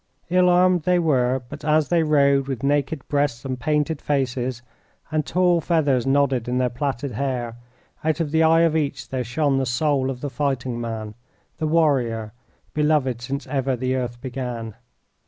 Ill armed they were; but as they rode, with naked breasts and painted faces, and tall feathers nodding in their plaited hair, out of the eye of each there shone the soul of the fighting man, the warrior, beloved since ever earth began.